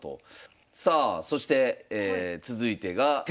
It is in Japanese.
さあそして続いてが「哲学」。